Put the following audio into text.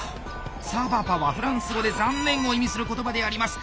「サバパ」はフランス語で「残念」を意味する言葉であります。